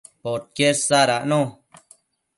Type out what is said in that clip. podquied sadacno